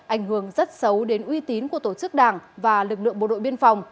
ảnh hưởng rất xấu đến uy tín của tổ chức đảng và lực lượng bộ đội biên phòng